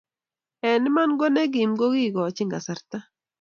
eng iman ne gim ko kekachin kasarta